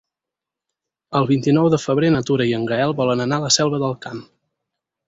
El vint-i-nou de febrer na Tura i en Gaël volen anar a la Selva del Camp.